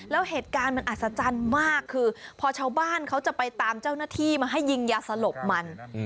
แล้วเหตุการณ์มันอัศจรรย์มากคือพอชาวบ้านเขาจะไปตามเจ้าหน้าที่มาให้ยิงยาสลบมัน